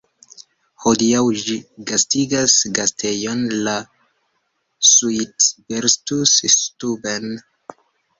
Hodiaŭ ĝi gastigas gastejon, la „Suitbertus-Stuben".